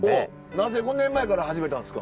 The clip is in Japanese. なぜ５年前から始めたんですか？